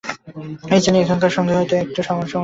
কী জানি, এখানকার সঙ্গে হয়তো আমার একটা অসামঞ্জস্য আছে।